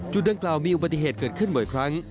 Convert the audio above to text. ดังกล่าวมีอุบัติเหตุเกิดขึ้นบ่อยครั้ง